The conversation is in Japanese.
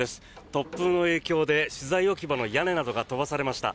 突風の影響で資材置き場の屋根などが飛ばされました。